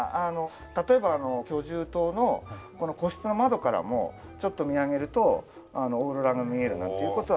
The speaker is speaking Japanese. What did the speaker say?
例えば居住棟の個室の窓からもちょっと見上げるとオーロラが見えるっていう事は。